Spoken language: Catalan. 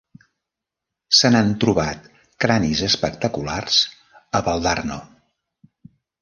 Se n'han trobat cranis espectaculars a Valdarno.